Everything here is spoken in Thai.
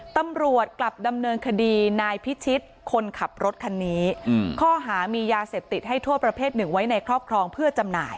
ตำรวจกลับดำเนินคดีนายพิชิตคนขับรถคันนี้ข้อหามียาเสพติดให้โทษประเภทหนึ่งไว้ในครอบครองเพื่อจำหน่าย